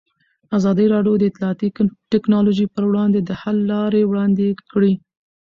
ازادي راډیو د اطلاعاتی تکنالوژي پر وړاندې د حل لارې وړاندې کړي.